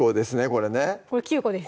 これね９個です